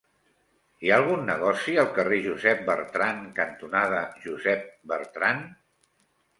Hi ha algun negoci al carrer Josep Bertrand cantonada Josep Bertrand?